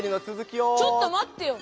ちょっとまってよ！